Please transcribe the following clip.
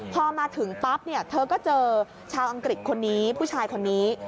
พอมาถึงปั๊บเนี่ยเธอก็เจอชาวอังกฤษคนนี้ผู้ชายคนนี้